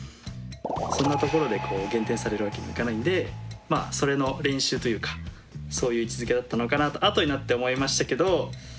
そんなところで減点されるわけにはいかないんでまあそれの練習というかそういう位置づけだったのかなとあとになって思いましたけど。